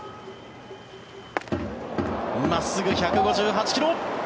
真っすぐ、１５８ｋｍ。